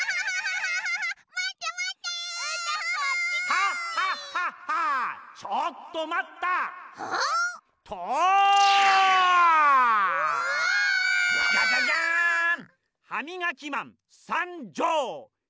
ハミガキマンさんじょう！